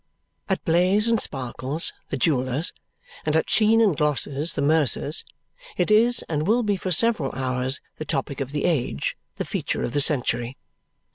At Blaze and Sparkle's the jewellers and at Sheen and Gloss's the mercers, it is and will be for several hours the topic of the age, the feature of the century.